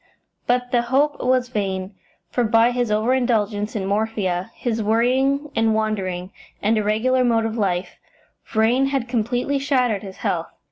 But the hope was vain, for by his over indulgence in morphia, his worrying and wandering, and irregular mode of life, Vrain had completely shattered his health.